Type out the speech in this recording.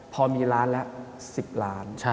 พอมีล้านละ๑๐ล้าน